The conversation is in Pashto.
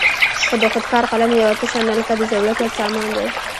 د خود کار قلم یوه تشه نلکه د ضرورت وړ سامان دی.